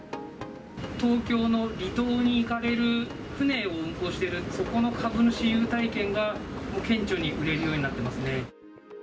東京の離島に行かれる船を運航している、そこの株主優待券が、顕著に売れるようになっています